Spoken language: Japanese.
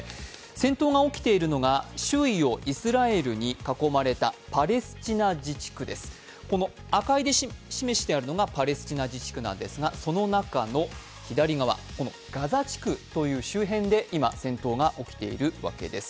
戦闘が起きているのが周囲をイスラエルに囲まれたパレスチナ自治区です、この赤色で示しているのがパレスチナ自治区なんですが、その中の左側、このガザ地区という周辺で今、戦闘が起きているわけです。